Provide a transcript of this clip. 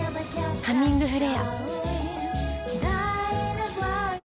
「ハミングフレア」